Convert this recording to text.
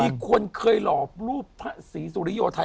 มีคนเคยหล่อรูปศรีสุริโยธัย